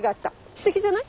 すてきじゃない？